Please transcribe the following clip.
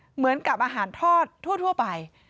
เหมือนกับอาหารทอดทั่วไป